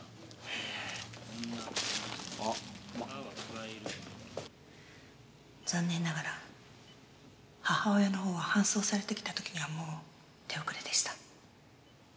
・残念ながら母親の方は搬送されてきた時にはもう手遅れでした。